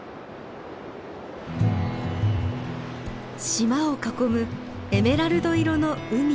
島を囲むエメラルド色の海。